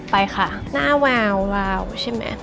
ไปค่ะหน้าวาวใช่มั้ย